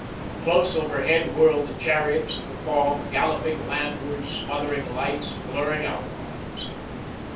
Close overhead whirled the chariots of the fog, galloping landward, smothering lights, blurring outlines.